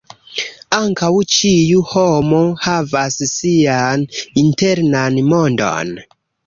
Ankaŭ ĉiu homo havas sian internan mondon.